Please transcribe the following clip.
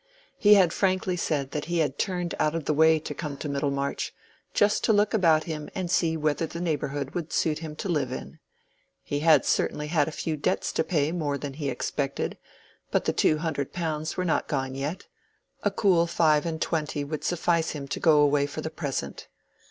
He had frankly said that he had turned out of the way to come to Middlemarch, just to look about him and see whether the neighborhood would suit him to live in. He had certainly had a few debts to pay more than he expected, but the two hundred pounds were not gone yet: a cool five and twenty would suffice him to go away with for the present.